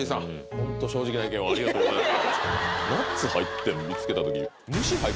本当正直な意見をありがとうございます